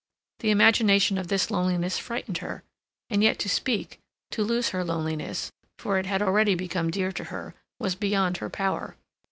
The imagination of this loneliness frightened her, and yet to speak—to lose her loneliness, for it had already become dear to her, was beyond her power.